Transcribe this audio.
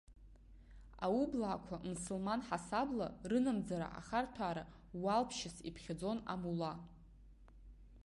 Аублаақәа мсылман ҳасабла рынамӡара ахарҭәаара уалԥшьас иԥхьаӡон амула.